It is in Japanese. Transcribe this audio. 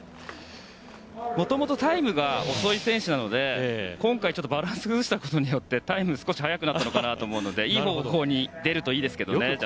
もともとタイムが遅い選手なので今回バランスを崩したことによってタイムは少し早くなったのかなと思うのでいい方向に出るといいですけどね。